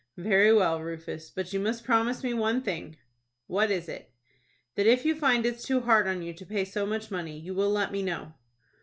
"Very well, Rufus, but you must promise me one thing." "What is it?" "That if you find it is too hard on you to pay so much money, you will let me know."